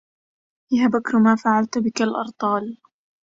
يا بكر ما فعلت بك الأرطال